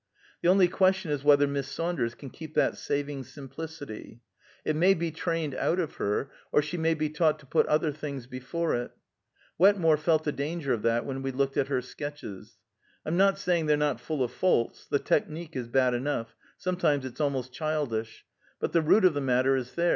The only question is whether Miss Saunders can keep that saving simplicity. It may be trained out of her, or she may be taught to put other things before it. Wetmore felt the danger of that, when we looked at her sketches. I'm not saying they're not full of faults; the technique is bad enough; sometimes it's almost childish; but the root of the matter is there.